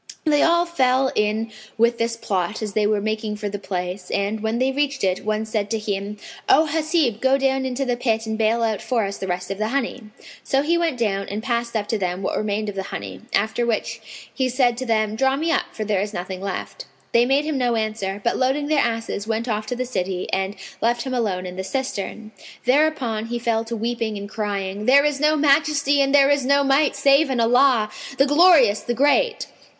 They all fell in with this plot as they were making for the place; and, when they reached it, one said to him, "O Hasib, go down into the pit and bale out for us the rest of the honey." So he went down and passed up to them what remained of the honey, after which he said to them, "Draw me up, for there is nothing left." They made him no answer; but, loading their asses, went off to the city and left him alone in the cistern. Thereupon he fell to weeping and crying, "There is no Majesty and there is no Might save in Allah, the Glorious, the Great!"